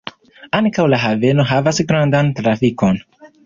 Ankaŭ la haveno havas grandan trafikon.